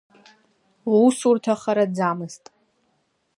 Лусурҭа хараӡамызт.